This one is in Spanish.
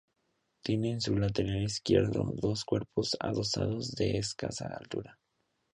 Tiene en su lateral izquierdo dos cuerpos adosados de escasa altura.